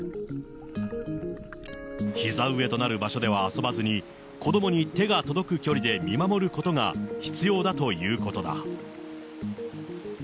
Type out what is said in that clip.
ひざ上となる場所では遊ばずに、子どもに手が届く距離で見守ることが必要だということだ。